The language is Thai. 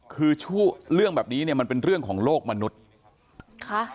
คือเรื่องแบบนี้เนี่ยมันเป็นเรื่องของโลกมนุษย์ค่ะ